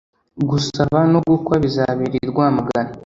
Gusaba no gukwa bizabera i Rwamagana